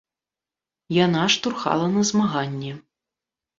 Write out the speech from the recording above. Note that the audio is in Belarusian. Яна штурхала на змаганне.